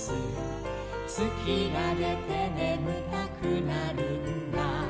「つきがでてねむたくなるんだ」